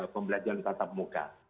pembelajaran tatap muka